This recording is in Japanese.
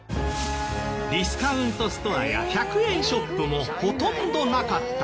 ディスカウントストアや１００円ショップもほとんどなかった。